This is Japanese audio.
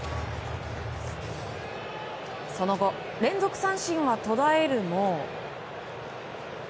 その後連続三振は途絶えるも。